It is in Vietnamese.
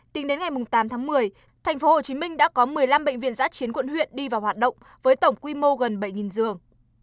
tính đến ngày tám tháng một mươi tp hcm đã có một mươi năm bệnh viện giã chiến quận huyện đi vào hoạt động với tổng quy mô gần bảy giường